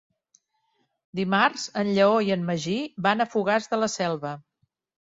Dimarts en Lleó i en Magí van a Fogars de la Selva.